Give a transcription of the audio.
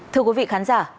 thưa quý vị khán giả